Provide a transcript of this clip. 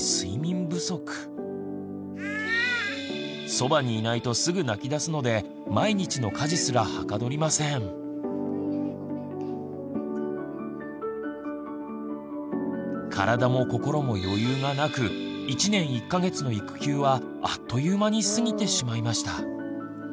そばにいないとすぐ泣きだすので毎日の体も心も余裕がなく１年１か月の育休はあっという間に過ぎてしまいました。